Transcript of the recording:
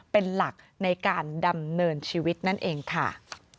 เป็นหลักในการดำเนินชีวิตนั่นเองค่ะ